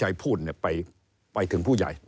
ให้เส้นพื้น